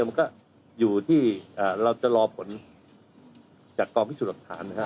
มันก็อยู่ที่เราจะรอผลจากกองพิสูจน์หลักฐานนะครับ